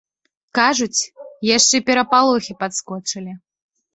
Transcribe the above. Кажуць, яшчэ перапалохі падскочылі.